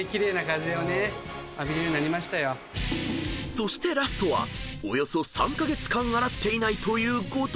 ［そしてラストはおよそ３カ月間洗っていないという五徳］